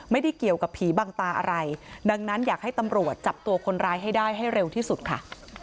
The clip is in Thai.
ไม่ได้เกี่ยวกับผีบังตาอะไรดังนั้นอยากให้ตำรวจจับตัวคนร้ายให้ได้ให้เร็วที่สุดค่ะ